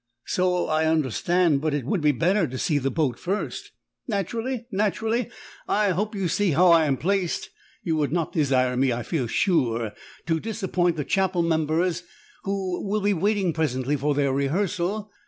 "So I understand, but it would be better to see the boat first." "Naturally, naturally. I hope you see how I am placed? You would not desire me, I feel sure, to disappoint the chapel members who will be waiting presently for their rehearsal.